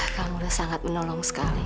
kamu sudah sangat menolong sekali